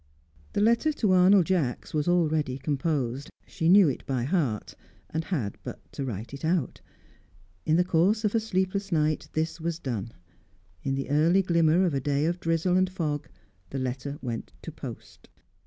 The letter to Arnold Jacks was already composed; she knew it by heart, and had but to write it out. In the course of a sleepless night, this was done. In the early glimmer of a day of drizzle and fog, the letter went to post.